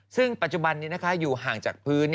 ซึ่งปัจจุบันนี้อยู่ห่างจากพื้น